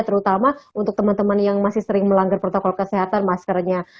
terutama untuk teman teman yang masih sering melanggar protokol kesehatan maskernya